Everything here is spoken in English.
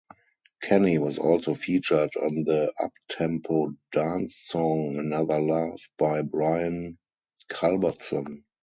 Kenny was also featured on the uptempo dance song "Another Love" by Brian Culbertson.